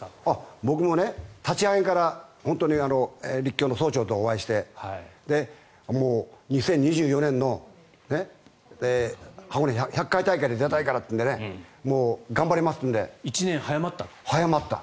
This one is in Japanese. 僕も立ち上げから立教の総長とお会いしてもう２０２４年の箱根１００回大会に出たいからっていうのでもう頑張りますというんで１年早まった。